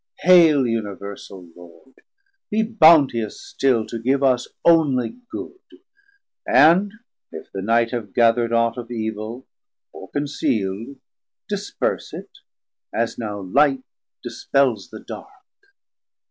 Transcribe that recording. Hail universal Lord, be bounteous still To give us onely good; and if the night Have gathered aught of evil or conceald, Disperse it, as now light dispels the dark.